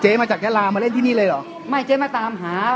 มาจากยาลามาเล่นที่นี่เลยเหรอไม่เจ๊มาตามหา